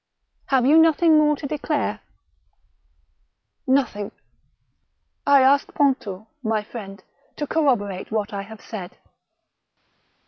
" Have you nothing more to declare ?"" Nothing. I ask Pontou, my friend, to corroborate what I have said."